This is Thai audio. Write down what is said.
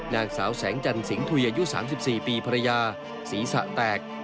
นางสาวแสงจันสิงทุยอายุ๓๔ปีภรรยาศีรษะแตก